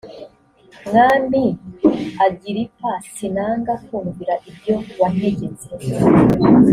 mwami agiripa sinanga kumvira ibyo wantegetse